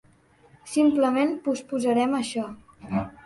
Simplement posposarem això.